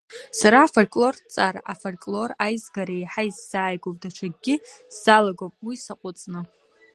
Сара афольклорҭҵаара, афольклор аизгара еиҳа исзааигәоуп, даҽакгьы сзалагом, уи саҟәыҵны.